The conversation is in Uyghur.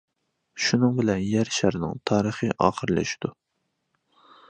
شۇنىڭ بىلەن يەر شارىنىڭ تارىخى ئاخىرلىشىدۇ.